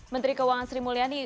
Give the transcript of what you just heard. menteri keuangan sri mulyani